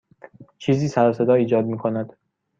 چیزی سر و صدا ایجاد می کند.